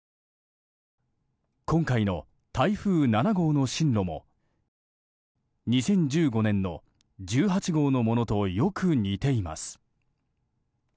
今回の台風７号の進路も２０１５年の１８号のものとよく似ています。